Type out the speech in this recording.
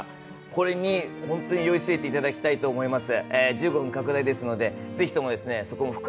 これに本当に酔いしれていただきたいと思います。